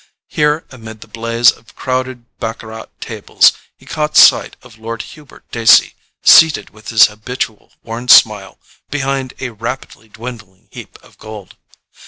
Here, amid the blaze of crowded baccarat tables, he caught sight of Lord Hubert Dacey, seated with his habitual worn smile behind a rapidly dwindling heap of gold.